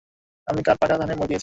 আমি কার পাকা ধানে মই দিয়েছি?